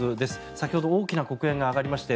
先ほど大きな黒煙が上がりまして